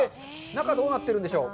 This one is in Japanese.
中、どうなってるんでしょう？